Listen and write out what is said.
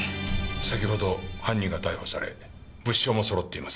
先ほど犯人が逮捕され物証も揃っています。